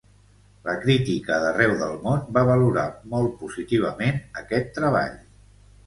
La crítica d'arreu del món va valorar molt positivament aquest treball.